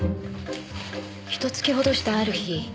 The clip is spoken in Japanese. ひと月ほどしたある日。